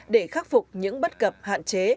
để khắc phục những bất cập hạn chế